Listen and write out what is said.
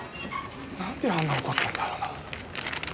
なんであんな怒ってんだろうな。